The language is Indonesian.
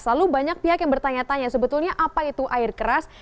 lalu banyak pihak yang bertanya tanya sebetulnya apa itu air keras